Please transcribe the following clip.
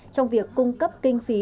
trong việc cung cấp kinh phí